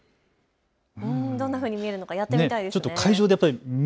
どんなふうに見えるのかやってみたいですね。